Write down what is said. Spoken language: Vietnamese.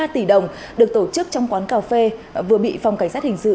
ba tỷ đồng được tổ chức trong quán cà phê vừa bị phòng cảnh sát hình sự